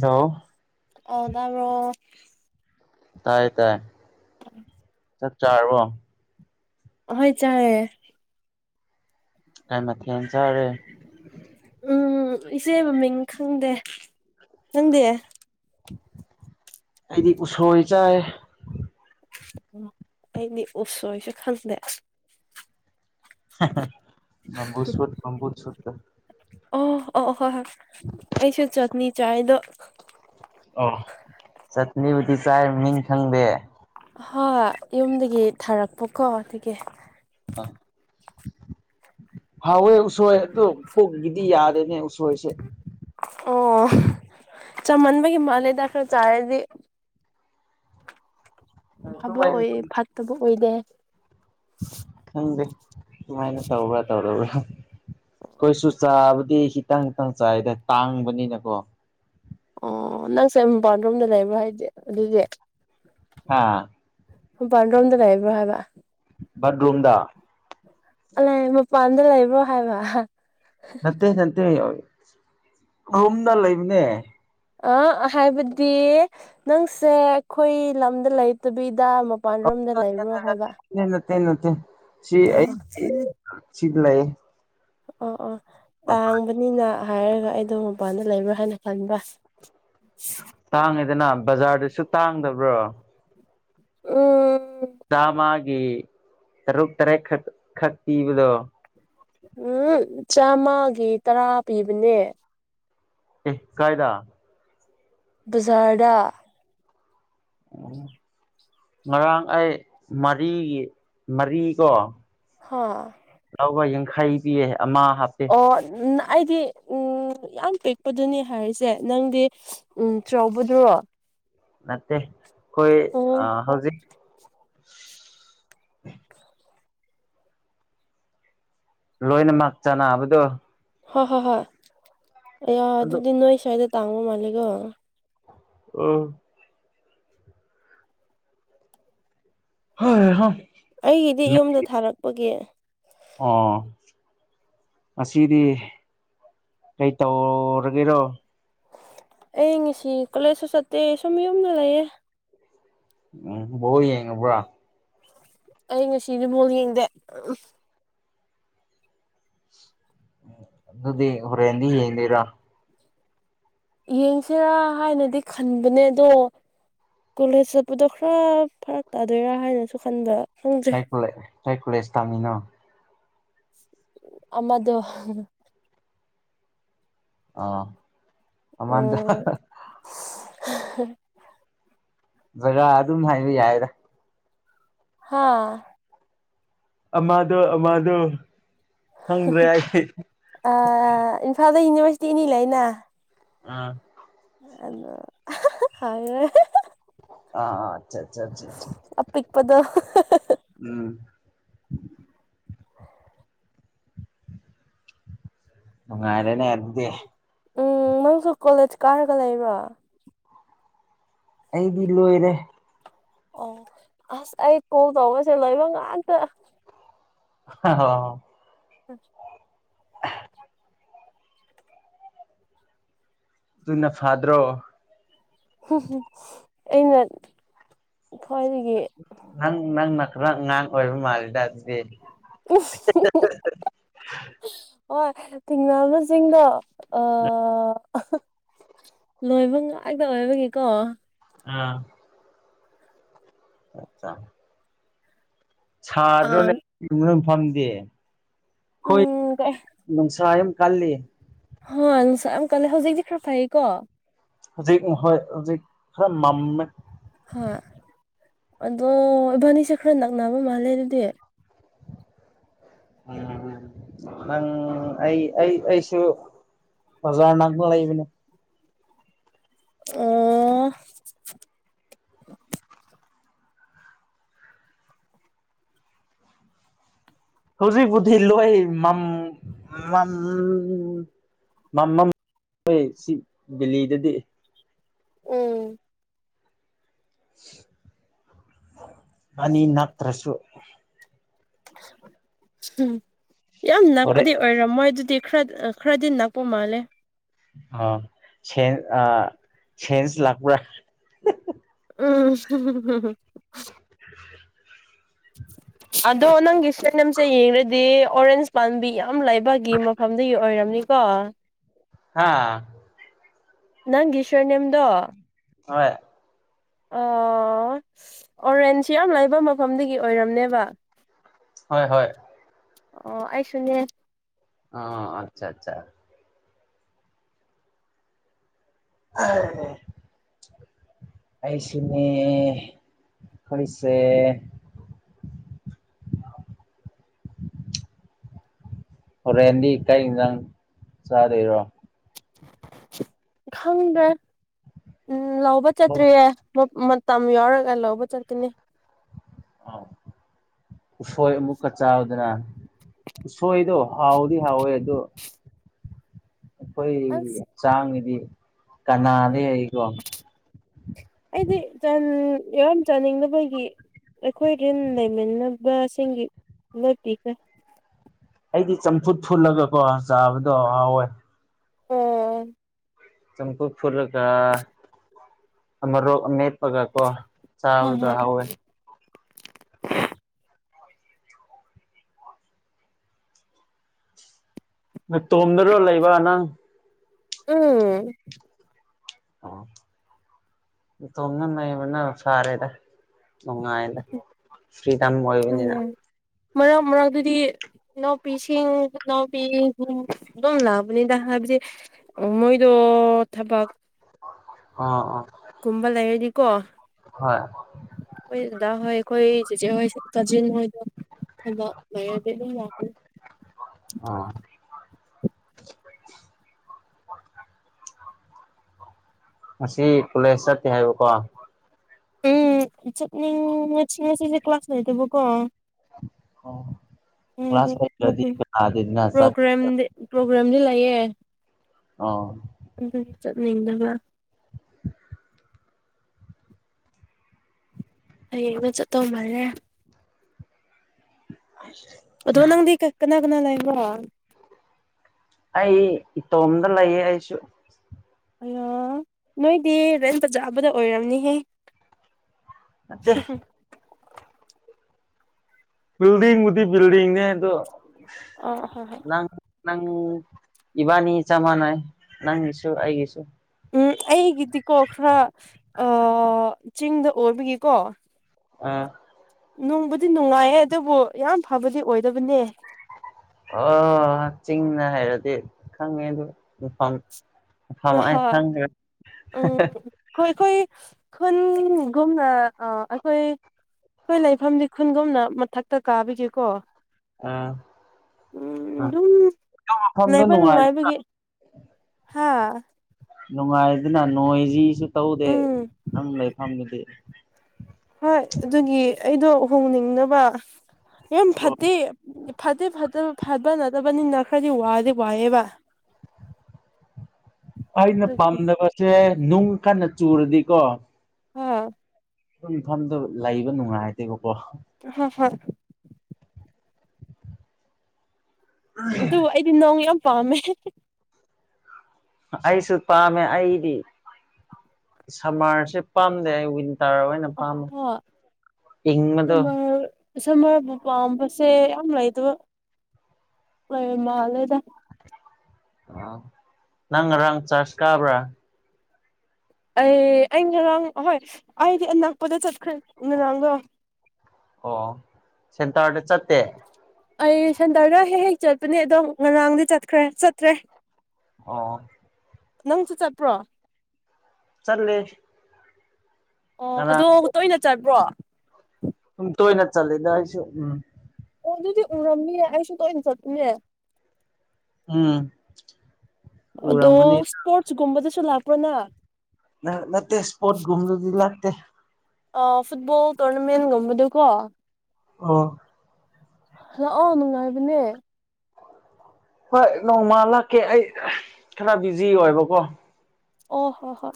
hello ꯑ ꯇꯥꯕ꯭ꯔꯣ ꯇꯥꯏꯌꯦ ꯇꯥꯏꯌꯦ ꯑ ꯆꯥꯛ ꯆꯥꯔꯕꯣ ꯍꯣꯏ ꯆꯥꯇꯦ ꯀꯩ ꯝꯊꯦꯜ ꯆꯔꯦ ꯎꯝ ꯏꯆꯦ ꯃꯃꯤꯡ ꯈꯪꯗꯦ ꯅꯪꯗꯤ ꯑꯩꯗꯤ ꯎꯁꯣꯏ ꯆꯥꯏ ꯎ ꯑꯩꯗꯤ ꯎꯁꯣꯏꯁꯨ ꯈꯪꯗꯦ ꯃꯝꯝꯕꯨꯁꯝꯝꯕꯨꯁ ꯑꯣ ꯑꯣ ꯍ ꯑꯩꯁꯨ ꯆꯠꯅꯤ ꯆꯥꯏ ꯑꯗꯣ ꯑꯣ ꯆꯠꯅꯤꯕꯨꯗꯤ ꯆꯥꯏ ꯃꯥꯃꯤꯡ ꯈꯪꯗꯦ ꯍꯣꯏ ꯌꯨꯝꯗꯒꯤ ꯊꯥꯔꯛꯄꯀꯣ ꯑꯗꯨꯒꯤ ꯍꯥꯎ ꯏ ꯎꯁꯣꯏ ꯑꯗꯨ ꯄꯨꯛꯀꯤꯗꯤ ꯌꯥꯗꯦ ꯏ ꯎꯁꯣꯏꯁꯦ ꯑꯣ ꯆꯃꯟꯕꯒꯤ ꯃꯥꯜꯂꯦꯗ ꯈꯔ ꯆꯥꯔꯗꯤ ꯐꯥꯕ ꯑꯗꯨꯃꯥꯏꯅ ꯑꯣꯏ ꯐꯥꯠꯇꯕ ꯑꯣꯏꯗꯦ ꯈꯪꯗꯦ ꯁꯨꯃꯥꯏꯅ ꯇꯧꯕ꯭ꯔꯥ ꯇꯧꯗꯕ꯭ꯔꯥ ꯑꯩꯈꯣꯏꯁꯨ ꯆꯥꯕꯗꯤ ꯈꯤꯇꯪ ꯈꯤꯇꯪ ꯆꯥꯏꯗ ꯇꯥꯡꯕꯅꯤꯅꯀꯣ ꯑꯣ ꯅꯪꯁꯦ ꯃꯄꯜ ꯔꯣꯝꯗ ꯂꯩꯕ꯭ꯔꯣ ꯍꯥꯏꯁꯦ ꯑꯗꯨꯗꯤ ꯑꯥ ꯃꯄꯥꯟ ꯔꯣꯝꯗ ꯂꯩꯕ꯭ꯔꯣ ꯍꯥꯏꯕ ꯕꯠꯔꯨꯝꯗ ꯑꯣ ꯂ ꯃ ꯄꯥꯟꯗ ꯂꯕ꯭ꯔꯣ ꯍꯥꯏꯕ ꯅꯠꯇꯦ ꯅꯠꯇꯦ ꯔꯨꯝꯗ ꯂꯩꯕꯅꯦ ꯑ ꯍꯥꯏꯕꯗꯤ ꯅꯪꯁꯦ ꯑꯩꯈꯣꯏ ꯂꯝꯗ ꯂꯩꯇꯕꯤ ꯗꯥ ꯃꯄꯥꯟ ꯔꯣꯝꯗ ꯂꯩꯕ꯭ꯔꯣ ꯅꯠꯇꯦ ꯍꯥꯏꯕ ꯅꯠꯇꯦ ꯅꯠꯇꯦ ꯅꯠꯇꯦ ꯑꯣ ꯑꯣ ꯂꯩꯇꯦ ꯑꯣ ꯑꯣ ꯇꯥꯡꯕꯅꯤꯅ ꯍꯥꯏꯔꯒ ꯑꯩꯗꯣ ꯃꯄꯥꯟꯗ ꯂꯩꯕ꯭ꯔꯥ ꯍꯥꯏꯅ ꯈꯟꯕ ꯇꯥꯡꯉꯤꯗꯅ ꯕꯖꯥꯔꯗꯁꯨ ꯇꯥꯡꯗꯕ꯭ꯔꯣ ꯑꯣ ꯗꯥ ꯃꯥꯒꯤ ꯇꯔꯨꯛ ꯇꯔꯦꯠ ꯈꯛ ꯄꯤꯕꯗꯣ ꯎꯝ ꯆꯥꯝꯃꯒꯤ ꯇꯔꯥ ꯄꯤꯕꯅꯦ ꯑꯦ ꯀꯥꯏꯗ ꯕꯥꯖꯔ ꯗ ꯑꯣ ꯉꯔꯥꯡ ꯑꯩ ꯃꯔꯤꯒꯤ ꯃꯔꯤ ꯀꯣ ꯍꯥ ꯈꯩ ꯄꯤꯌꯦ ꯑꯃ ꯍꯥꯞꯄꯦ ꯑꯣ ꯑꯩꯗꯤ ꯎꯝ ꯌꯥꯝ ꯄꯤꯛꯄꯗꯨꯅꯤ ꯍꯥꯏꯔꯤꯁꯦ ꯅꯪꯗꯤ ꯎꯝ ꯆꯥꯎꯕꯗꯨꯔꯣ ꯅꯠꯇꯦ ꯈꯣꯏ ꯑ ꯎꯝ ꯍꯧꯖꯤꯛ ꯎꯝ ꯂꯣꯏꯅ ꯃꯥꯛ ꯆꯅꯥꯕꯗꯣ ꯍꯣꯏ ꯍꯣꯏ ꯍꯣꯏ ꯑꯌꯥ ꯑꯗꯨ ꯑꯗꯨꯗꯤ ꯅꯣꯏ ꯁ꯭ꯋꯥꯏꯗ ꯇꯥꯡꯕ ꯃꯥꯜꯂꯦꯀꯣ ꯎꯝ ꯍꯩ ꯍꯥ ꯑꯩꯒꯤꯗꯤ ꯌꯨꯝꯗ ꯊꯥꯔꯛꯄꯒꯤ ꯑꯣ ꯉꯁꯤꯗꯤ ꯀꯩ ꯇꯧꯔꯒꯦꯔꯣ ꯑꯩ ꯉꯁꯤ ꯀꯣꯂꯦꯖꯁꯨ ꯆꯠꯇꯦ ꯁꯨꯝ ꯌꯨꯝꯗ ꯂꯩꯌꯦꯦ ꯎꯝ ꯌꯦꯉ ꯄꯨꯔꯥ ꯑꯩ ꯉ ꯁꯤꯗꯤ ꯃꯣꯜꯗꯦ ꯑꯗꯨ ꯑꯗꯨꯗꯤꯔꯦꯟꯅꯤ ꯍꯥꯏꯅꯤꯔꯥ ꯌꯦꯡꯁꯤꯔꯥ ꯍꯥꯏꯅꯗꯤ ꯈꯟꯕꯅꯦ ꯑꯗꯣ ꯀꯣꯂꯦꯖ ꯆꯠꯄꯗꯣ ꯈꯔ ꯐꯔꯛ ꯇꯥꯗꯣꯏꯔꯥ ꯍꯥꯏꯅꯁꯨ ꯈꯟꯕ ꯈꯪꯗ꯭ꯔꯦ ꯍꯀꯨ ꯍꯥꯏꯀꯨꯂ ꯏꯁꯇꯥꯥꯃꯤꯅꯣ ꯑꯃꯗꯨ ꯑ ꯃꯃꯗ ꯎ ꯍ ꯕꯖꯔꯥ ꯑꯗꯨꯝ ꯍꯥꯏꯕ ꯌꯥꯏꯗ ꯍꯥꯥ ꯑꯃꯥꯗꯣ ꯑꯃꯥꯗꯣ ꯑ ꯏꯝꯐꯥꯜꯗ ꯌꯨꯅꯤꯚꯔꯁꯤꯇꯤ ꯏꯅꯤ ꯂꯩꯅ ꯑꯥ ꯑꯗꯣ ꯍꯥꯏꯦ ꯑꯥ ꯑꯆꯥ ꯑꯆꯥ ꯑꯄꯤꯛꯄꯗꯣ ꯎꯝ ꯎ ꯉꯥꯏꯔꯦꯅꯦꯗꯤꯦ ꯎꯝ ꯅꯪꯁꯨ ꯀꯣꯂꯦꯖ ꯀꯥꯔꯒ ꯂꯩꯕ꯭ꯔꯣ ꯑꯩꯗꯤ ꯂꯣꯏꯔꯦ ꯑꯣ ꯑꯁ ꯑꯩ ꯀꯣꯜ ꯇꯧꯕꯁꯦ ꯂꯣꯏꯕ ꯉꯥꯛꯇ ꯍ ꯑ [unintelligible] ꯇꯟꯅ ꯐꯥꯗ꯭ꯔꯣ ꯑꯩꯅ ꯈ꯭ꯋꯥꯏꯗꯒꯤ ꯅꯪ ꯅꯪ ꯅꯪ ꯅꯪ ꯑꯣꯏꯔ ꯃꯥꯜꯗꯦ [unintelligible] ꯍꯣꯏ ꯊꯤꯡꯅꯕꯁꯤꯡꯗꯣ ꯑ ꯂꯣꯏꯕ ꯉꯥꯛꯇ ꯑꯣꯏꯕꯒꯤꯀꯣ ꯑꯥ [unintelligible] ꯆꯥꯛ ꯁꯥꯗ꯭ꯔꯣ [unintelligible] ꯑꯥ ꯅꯣꯏ [unintelligible] ꯐꯝꯗꯤ ꯍꯣꯏ ꯎꯝ ꯀꯩ ꯅꯨꯡꯁꯥ ꯌꯥꯝ ꯀꯜꯂꯤ ꯍ ꯅꯨꯡꯁꯥ ꯌꯥꯝ ꯀꯜꯂꯦ ꯍꯧꯖꯤꯛꯇꯤ ꯈꯔ ꯐꯩꯑꯦꯀꯣ ꯍꯧꯖꯤꯛ ꯃꯍꯣꯏ ꯍꯧꯖꯤꯛ ꯈꯔ ꯃꯝꯃꯦ ꯍꯥ ꯑꯗꯣ ꯏꯕꯥꯟꯅꯤꯁꯦ ꯈꯔ ꯅꯛꯅꯕ ꯃꯥꯜꯂꯦ ꯑꯗꯨꯗꯤ [inaudible] ꯑꯥ ꯅꯪ ꯑꯩ ꯑꯩ ꯑꯩꯁꯨ ꯄꯖꯥꯔ ꯅꯛꯄ ꯂꯩꯕꯅꯦ ꯑꯣ ꯍꯧꯖꯤꯛꯕꯨꯨꯗꯤ ꯂꯣꯏ ꯃꯝ ꯃꯝ ꯃꯝ ꯃꯝ [unintelligible] ꯁꯤ ꯕꯤꯂꯤꯗꯗꯤ ꯎꯝ ꯑꯅꯤ ꯅꯠꯇ꯭ꯔꯁꯨ ꯎꯝ ꯌꯥꯝ ꯍꯣꯔꯦꯟ ꯅꯛꯄꯗꯤ ꯑꯣꯏꯔꯝꯃꯣꯏ ꯑꯗꯨꯗꯤ ꯈ꯭ꯔ ꯈ꯭ꯔꯗꯤ ꯅꯥꯛꯄ ꯃꯥꯜꯂꯦ ꯑ ꯁꯦꯟ ꯑ ꯁꯦꯟꯁ ꯂꯥꯛꯄ꯭ꯔ ꯍꯍꯥ ꯎꯝ ꯍꯍꯍ [inaudible] ꯑꯗꯣ ꯅꯪꯒꯤ ꯁꯅꯝꯁꯦ ꯌꯦꯡꯔꯗꯤ ꯑꯣꯔꯦꯟꯖ ꯄꯥꯟꯕꯤ ꯌꯥꯝ ꯑꯝ ꯂꯩꯕꯒꯤ ꯃꯐꯝꯗꯒꯤ ꯑꯣꯏꯔꯝꯅꯤꯀꯣ ꯍꯥ ꯅꯪꯒꯥ ꯁꯔ ꯅꯦꯝꯗꯣ ꯇꯧꯔꯦ ꯑꯣ ꯑꯣꯔꯦꯟꯆ ꯌꯥꯝ ꯂꯩꯕ ꯃꯐꯝꯗꯒꯤ ꯑꯣꯏꯔꯝꯅꯦꯕ ꯍꯣꯏ ꯍꯣꯏ ꯑꯣ ꯑꯩꯁꯨ ꯅꯦ ꯑ ꯑꯆꯥ ꯆꯥ ꯍꯥꯏ ꯑꯩꯁꯨꯅꯦ ꯈꯔꯤꯁꯦ [inaudible] ꯍꯣꯔꯦꯟꯗꯤ ꯀꯩ ꯏꯟꯖꯥꯡ ꯆꯥꯗꯣꯏꯔꯣ ꯈꯪꯗ꯭ꯔꯦ ꯎꯝ ꯂꯧꯕ ꯆꯠꯇ꯭ꯔꯤꯌꯦ ꯃꯇꯝ ꯌꯧꯔꯒ ꯂꯧꯕ ꯆꯠꯀꯅꯤ ꯑꯥ ꯎꯁꯣꯏ ꯑꯃꯨꯛꯀ ꯆꯥꯎꯗꯅ ꯎꯁꯣꯏꯗꯣ ꯍꯥꯎꯗꯤ ꯍꯥꯎꯋꯦ ꯗꯣ ꯑꯩꯈꯣꯏ ꯑꯁ ꯆꯥꯡꯉꯗꯤ ꯎꯝ [inaudible] ꯑꯩꯗꯤ ꯆꯟ ꯌꯥꯝ ꯆꯥꯅꯤꯡꯗꯕꯒꯤ ꯑꯩꯈꯣꯏ ꯔꯦꯟ ꯂꯩꯃꯤꯟꯅꯕꯁꯤꯡꯒꯤ ꯂꯣꯏ ꯄꯤꯈ꯭ꯔꯦ ꯑꯩꯗꯤ ꯆꯝꯐꯨꯠ ꯐꯨꯠꯂꯒꯀꯣ ꯆꯥꯕꯗꯣ ꯍꯥꯎꯋꯦ ꯑꯣ ꯆꯐꯨꯠ ꯐꯨꯠꯔꯒ ꯃꯣꯔꯣꯛ ꯑꯃꯦꯠꯄꯒꯀꯣ ꯍ ꯆꯥꯕꯗ ꯍꯣꯏ ꯍꯥꯎꯋꯦ ꯅꯇꯣꯝꯗꯔꯣ ꯂꯩꯕ ꯅꯪ ꯎꯝ ꯑꯣ ꯏꯇꯣꯝꯗ ꯅꯩꯕꯅ ꯐꯔꯦꯗ ꯅꯨꯡꯉꯥꯏꯗ ꯐ꯭ꯔꯤꯗꯝ ꯑꯣꯏꯕꯅꯤꯅ ꯎꯝ ꯃꯔꯛ ꯃꯔꯛꯇꯗꯤ ꯏꯅꯥꯎꯄꯤꯁꯤꯡ ꯏꯅꯥꯎꯄꯤ ꯗꯨꯝ ꯑꯗꯨꯝ ꯂꯥꯛꯄꯅꯤꯗ ꯍꯥꯏ ꯍꯥꯏꯕꯗꯤ ꯃꯣꯏꯗꯣ ꯊꯕꯛ ꯑꯥ ꯑꯥ ꯀꯨꯝꯕꯜꯂ ꯍꯥꯏꯗꯤꯀꯣ ꯍꯣꯏ ꯍꯣꯏ ꯑꯩꯈꯣꯏ ꯆꯦ ꯍꯣꯏ ꯀ ꯍꯣꯏ ꯊ ꯃꯗꯤ ꯅ ꯂ ꯑꯥ ꯑꯁꯤ ꯀꯂꯦꯁ ꯆꯠꯇꯦ ꯍꯥꯏꯕꯀꯣ ꯎꯝ ꯆꯠꯅꯤꯡ ꯁꯤꯁꯦ ꯀ꯭ꯂꯥꯁ ꯂꯩꯇꯦꯕꯣꯀꯣ ꯑ ꯀ꯭ꯂꯥꯁ ꯂꯩꯇ꯭ꯔꯗꯤ ꯀꯅꯥꯗꯩꯅ ꯆꯠ ꯄ꯭ꯔꯣꯒ꯭ꯔꯥꯝ ꯄ꯭ꯔꯣꯒ꯭ꯔꯥꯝꯗꯤꯦ ꯂꯩꯑꯌꯦ ꯑꯥ ꯆꯠꯅꯤꯡꯗꯕ ꯌꯦꯉ ꯆ ꯇꯣꯝꯕꯜꯦ ꯑꯗꯣ ꯅꯪꯗꯤ ꯀꯅꯥ ꯀꯅꯥ ꯂꯑꯕ ꯑꯩ ꯏꯇꯣꯝꯗ ꯂꯩꯌꯦ ꯑꯩꯁꯨ ꯑ ꯅꯣꯏꯗꯤ ꯔꯦꯟ ꯕꯖꯥ ꯑꯃꯗ ꯑꯣꯏꯔꯝꯅꯤꯍꯦ ꯃꯦ ꯕꯤꯗꯤꯡꯕꯨꯗꯤ ꯤꯜꯗꯤꯡꯅꯦꯣ ꯑꯣ ꯍ ꯍ ꯅꯪ ꯏꯕꯥꯅꯤ ꯆ ꯃꯥꯟꯅꯩ ꯅꯪꯒꯤꯁꯨ ꯑꯩꯒꯤꯁꯨ ꯎꯝ ꯑꯩꯒꯤꯗꯤꯀꯣ ꯈꯔ ꯆꯤꯡꯗ ꯑꯣꯏꯕꯒꯤꯀꯣ ꯑ ꯅꯨꯡꯕꯨꯗꯤ ꯅꯨꯡꯉꯥꯏꯌꯦ ꯑꯗꯨꯕꯨ ꯌꯥꯝ ꯐꯕꯗꯤ ꯑꯣꯏꯗꯕꯅꯦ ꯑꯣ ꯆꯤꯡꯅ ꯍꯥꯏꯔꯗꯤ ꯈꯪꯉꯦ ꯑꯗꯨ ꯃꯐꯝ ꯐꯃ ꯍꯣꯏ ꯑꯩ ꯈꯪꯗ꯭ꯔꯦ ꯎꯝ ꯑꯩꯈꯣꯏ ꯑꯩꯈꯣꯏ ꯈꯨꯟꯒꯨꯝꯅ ꯑ ꯑꯩꯈꯣꯏ ꯑꯩꯈꯣꯏ ꯂꯩꯐꯝꯗꯤ ꯈꯨꯟꯒꯨꯝꯅ ꯃꯊꯛꯇ ꯀꯥꯕꯤꯒꯦꯀꯣ ꯑꯥ ꯑꯗꯨꯝ ꯗ ꯂꯩꯕ ꯅꯨꯡꯉꯥꯏ ꯅꯨꯡꯉꯥꯏꯕꯒꯤ ꯍꯥ ꯅꯨꯡꯉꯥꯏꯗꯅ ꯅꯣꯏꯁꯤꯁꯨ ꯇꯧꯗꯦ ꯎꯝ ꯑꯗꯨꯪ ꯂꯩꯐꯝꯗꯨꯗꯤ ꯍꯣꯏ ꯑꯗꯨꯒꯤ ꯑꯩꯗꯣ ꯍꯣꯡꯅꯤꯡꯅꯕ ꯌꯥꯝ ꯑꯣ ꯐꯠꯇꯦ ꯐꯠꯇꯦ ꯐꯠꯇꯕ ꯐꯕ ꯅꯠꯇꯕꯅꯤꯅ ꯈꯔꯗꯤ ꯋꯥꯗꯤ ꯋꯥꯏꯑꯦꯕ ꯑꯩꯅ ꯑꯗꯨꯒꯤ ꯄꯥꯝꯖꯕꯁꯦ ꯅꯨꯡ ꯀꯟꯅ ꯆꯨꯔꯗꯤꯀꯣ ꯑ ꯄꯐꯝꯗꯨ ꯂꯩꯕ ꯅꯨꯡꯉꯥꯏꯗꯦꯕꯀꯣ ꯍ ꯍ ꯑꯗꯨ ꯑꯩꯗꯤ ꯅꯧ ꯌꯥꯝ ꯄꯥꯝꯃꯦ ꯑꯩꯁꯨ ꯄꯥꯝꯃꯦ ꯑꯩꯗꯤ ꯁꯝꯃꯔꯁꯦ ꯄꯥꯝꯗꯦ ꯑꯩ ꯇꯥꯔ ꯑꯣꯏꯅ ꯄꯥꯝꯕ ꯍꯣꯏ ꯏꯪꯕꯗꯣ ꯏꯁꯝꯃꯕꯨ ꯄꯥꯝꯕꯁꯦ ꯌꯥꯝ ꯂꯩꯗꯕ ꯂꯩꯔ ꯃꯥꯜꯂꯦꯗ ꯑ ꯅꯪ ꯔꯪ ꯆꯥꯁ ꯀꯥꯕ꯭ꯔꯥ ꯑꯦ ꯑꯩ ꯉꯔꯥꯡ ꯍꯣꯏ ꯑꯩꯗꯤ ꯑꯅꯛꯄꯗ ꯆꯠꯈ꯭ꯔꯦ ꯉꯔꯥꯡꯗꯣ ꯑꯣ ꯁꯦꯟꯇꯥꯔ ꯆꯠꯠꯇꯦ ꯑꯩ ꯁꯟꯗꯔꯗ ꯍꯦꯛ ꯍꯦꯛ ꯆꯠꯄꯅꯦ ꯑꯗꯣ ꯉꯔꯥꯡꯗꯤ ꯆꯠꯈ꯭ꯔꯦ ꯆꯠꯇ꯭ꯔꯦ ꯑꯥ ꯅꯪꯁꯨ ꯆꯠꯄ꯭ꯔꯣ ꯆꯠꯂꯦ ꯑꯣ ꯉꯔꯥꯡ ꯑꯗꯣ ꯇꯣꯏꯅ ꯆꯥꯕ꯭ꯔꯣ ꯇꯣꯏꯅ ꯆꯜꯂꯤꯗꯁꯨ ꯎꯝ ꯑꯣ ꯑꯗꯨꯗꯤ ꯎꯔꯝꯅꯤꯌꯦ ꯑꯩꯁꯨ ꯇꯣꯏꯅ ꯆꯠꯅꯦ ꯎꯝ ꯑꯗꯣ ꯎꯔꯝꯒꯅꯤ ꯏꯁꯄꯣꯔꯠꯁꯀꯨꯝꯕꯗꯁꯨ ꯂꯥꯛꯄ꯭ꯔꯣꯅ ꯅꯠꯇꯦ ꯏꯁꯄꯣꯠ ꯀꯨꯝꯃꯗꯗꯤ ꯂꯥꯛꯇꯦ ꯐꯨꯠꯕꯣꯜ ꯇꯣꯔꯅꯃꯦꯟꯒꯨꯝꯕꯗꯀꯣ ꯑꯥ [unintelligible] ꯍꯂꯥꯛ ꯑꯣ ꯅꯨꯡꯉꯥꯏꯕꯅꯦ ꯍꯣꯏ ꯅꯣꯡꯃꯥ ꯂꯥꯛꯀꯦ ꯑꯩ ꯈꯔ ꯕꯤꯖꯤ ꯑꯣꯏꯕꯀꯣ ꯑꯣ ꯍꯣ ꯍꯣ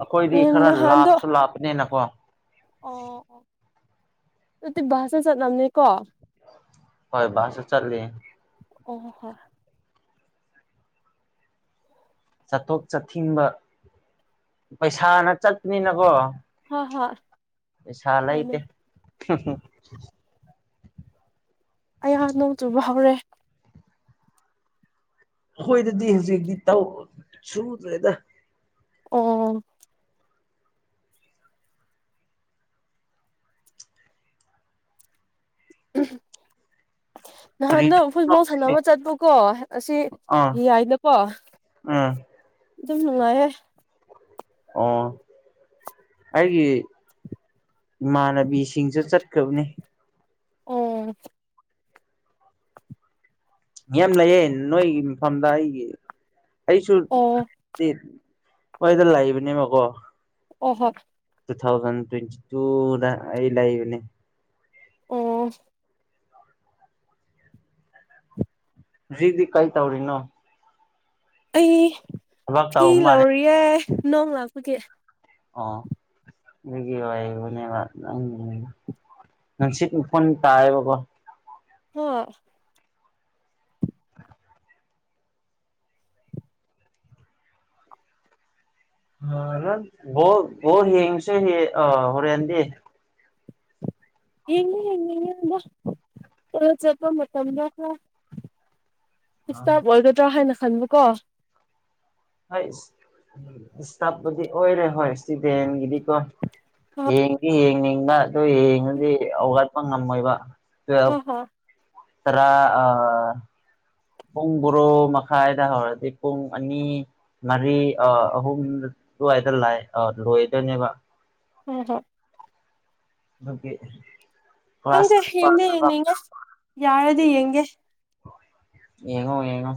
ꯑꯩꯈꯣꯏꯗꯤ ꯎꯝ ꯈꯔ ꯅꯍꯥꯟꯗꯣ ꯂꯥꯞꯁꯨ ꯂꯥꯄꯅꯤꯅꯀꯣ ꯑꯣ ꯑꯗꯨꯗꯤ ꯚꯁꯅ ꯆꯠꯂꯝꯅꯦꯀꯣ ꯍꯣꯏ ꯚꯥꯁꯗ ꯆꯠꯂꯦ ꯑꯣ ꯍꯣ [unintelligible] ꯆꯠꯊꯣꯛ ꯆꯠꯊꯤꯡꯕ ꯄꯩꯁꯥꯅ ꯆꯠꯄꯅꯤꯅꯀꯣ ꯍ ꯍꯣꯏ ꯄꯩꯁꯥ ꯃꯥꯅꯦ ꯂꯩꯇꯦ ꯑꯩꯍꯥꯛ ꯅꯣꯡ ꯆꯨꯕ ꯍꯧꯔꯦ ꯑꯩꯈꯣꯏꯗꯗꯤ ꯍꯧꯖꯤꯛꯇꯤ ꯇꯧ ꯁꯨꯗ꯭ꯔꯦꯗ ꯑꯣ ꯎꯝ [unintelligible] ꯀꯔꯤ ꯅꯍꯥꯟꯗ ꯐꯨꯠꯕꯣꯜ ꯇꯧꯕꯅꯣ ꯁꯥꯟꯅꯕ ꯆꯠꯄꯀꯣ ꯑꯁꯤ ꯌꯥꯏꯗꯀꯣ ꯑꯥ [unintelligible] ꯑꯗꯨꯝ ꯅꯨꯡꯉꯥꯏꯌꯦ ꯑꯣ ꯑꯩꯒꯤ ꯏꯃꯥꯟꯅꯕꯤꯁꯤꯡꯁꯨ ꯆꯠꯈꯔꯕꯅꯦ ꯑꯣ ꯌꯥꯝ ꯂꯩꯌꯦ ꯅꯣꯏꯒꯤ ꯃꯐꯝꯗ ꯑꯩꯒꯤ ꯑꯩꯁꯨ ꯑꯣ ꯍꯣꯏꯗ ꯂꯩꯕꯅꯦ ꯃꯀꯣ ꯑꯣ ꯍꯣ [unintelligible] ꯇꯨ ꯊꯥꯎꯖꯟ ꯇ꯭ꯋꯦꯟꯇꯤ ꯇꯨꯗ ꯑꯩ ꯂꯩꯕꯅꯦ ꯑꯣ ꯔꯤꯗꯤ ꯀꯩꯏ ꯇꯧꯔꯤꯅꯣ ꯑꯩ ꯊꯕꯛ ꯐꯤ ꯇꯧꯕ ꯃꯥꯜꯂꯦ ꯂꯧꯔꯤꯌꯦ ꯅꯣꯡ ꯂꯥꯛꯄꯒꯤ ꯑꯣ ꯃꯤꯒꯤ ꯋꯥꯏꯕꯅꯦꯕ [unintelligible] ꯅꯨꯡꯁꯤꯠ ꯎꯐꯨꯟ ꯇꯥꯏꯑꯕꯀꯣ ꯍ [unintelligible] [unintelligible] ꯑ ꯔ ꯕꯣꯜ ꯕꯣꯜ ꯌꯦꯡꯁꯦ ꯑ ꯍꯣꯔꯦꯟꯗꯤ [unintelligible] ꯌꯦꯉꯨ ꯌꯦꯅꯤꯡ ꯉꯦ [unintelligible] ꯆꯄ ꯃꯇꯝꯗ [unintelligible] ꯏꯁꯇꯥꯞ ꯑꯣꯏꯒꯗ꯭ꯔꯥ ꯍꯥꯏꯅ ꯈꯟꯕꯀꯣ ꯍꯣꯏ ꯏꯁꯇꯥꯄꯨꯗꯤ ꯑꯣꯏꯔꯦ ꯍꯣꯏ ꯏꯁꯇꯨꯗꯦꯟꯒꯤꯗꯤꯀꯣ ꯍꯣꯏ ꯌꯦꯡꯗꯤ ꯌꯦꯡꯅꯤꯡꯕ ꯑꯗꯨ ꯌꯦꯡꯉꯗꯤ ꯍꯧꯒꯠꯄ ꯉꯝꯃꯣꯏꯕ ꯇꯨꯋꯦꯜꯞ ꯍ ꯍ [unintelligible] ꯇꯔꯥ ꯑ ꯄꯨꯡ ꯕꯣꯔꯣ ꯃꯈꯥꯏꯗ ꯍꯧꯔꯗꯤ ꯄꯨꯡ ꯑꯅꯤ ꯃꯔꯤ ꯑꯍꯨꯝ ꯑꯗꯨꯋꯥꯏꯗ ꯂꯥꯏ ꯑ ꯂꯣꯏꯗꯅꯦꯕ [inaudible] [unintelligible] ꯗꯨ [unintelligible] ꯈꯪꯗꯦ ꯌꯦꯡꯗꯤ ꯌꯦꯡꯅꯤꯡꯉꯦ ꯌꯥꯔꯗꯤ ꯌꯦꯡꯒꯦ ꯌꯦꯡꯉꯣ ꯌꯦꯉꯣ